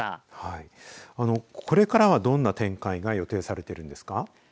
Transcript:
これからはどんな展開が予定されているんですか。